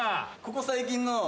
ここ最近の。